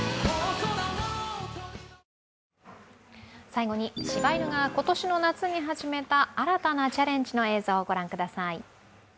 最後に、しば犬が今年の夏に始めた新たなチャレンジの映像、御覧ください。